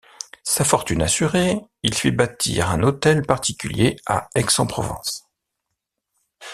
Sa fortune assurée, il fit bâtir un hôtel particulier à Aix-en-Provence.